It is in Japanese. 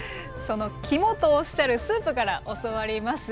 その肝とおっしゃるスープから教わります。